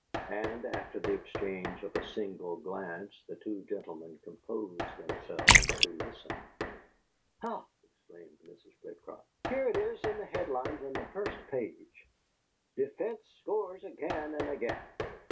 And after the exchange of a single glance the two gentlemen composed themselves to listen. "Ha!" exclaimed Mrs. Flitcroft. "Here it is in head lines on the first page. 'Defence Scores Again and Again.